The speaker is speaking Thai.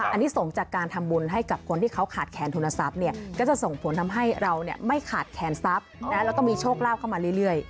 อันนี้ส่งจากการทำบุญให้กับคนที่เขาขาดแคนทุนทรัพย์เนี่ยก็จะส่งผลทำให้เราไม่ขาดแขนทรัพย์แล้วก็มีโชคลาภเข้ามาเรื่อย